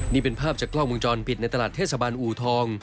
นี่เป็นภาพจากกล้องวงจรปิดในตลาดเทศบาลอูทอง